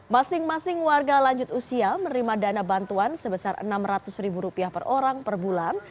masing masing warga lanjut usia menerima dana bantuan sebesar rp enam ratus ribu rupiah per orang per bulan